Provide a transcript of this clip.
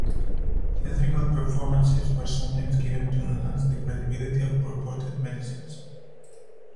Theatrical performances were sometimes given to enhance the credibility of purported medicines.